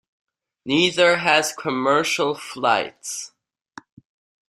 Neither has commercial flights.